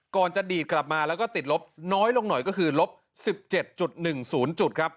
ก่อนจะดีดกลับมาแล้วก็ติดลบน้อยลงหน่อยก็คือลบ๑๗๑๐จุดครับ